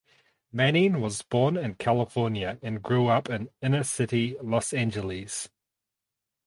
Manning was born in California and grew up in inner city Los Angeles.